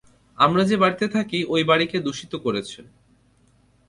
আমরা যে বাড়িতে থাকি ঐ বাড়িকে দূষিত করেছে!